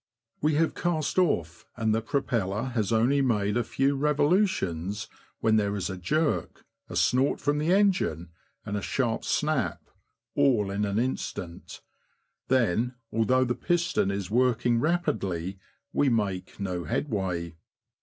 We have cast off, and the propeller has only made a few revolutions, when there is a jerk, a snort from the engine, and a sharp snap, all in an instant ; then, although the piston is working rapidly, we make no headway.